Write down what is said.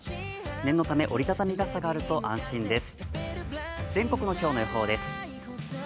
念のため、折り畳み傘があると安心です。